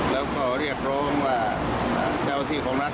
แล้วก็เรียกร้องว่าเจ้าที่ของรัฐ